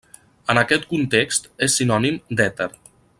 En aquest context és sinònim d'èter.